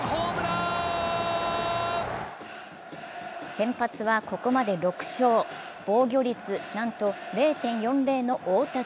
先発はここまで６勝、防御率なんと０．４０の大竹。